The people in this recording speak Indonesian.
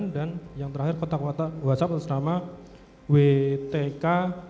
dan yang terakhir kontak whatsapp atas nama wtk empat puluh enam